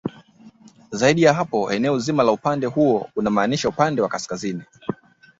Zaidi ya hapo eneo zima la upande huo unamaanisha upande wa kaskazini